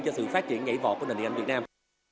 cho sự phát triển nhảy vọt của nền điện ảnh việt nam